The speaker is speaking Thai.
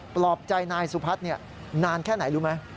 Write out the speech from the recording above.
ปลอบใจนายสุพัฒน์นานแค่ไหนรู้ไหม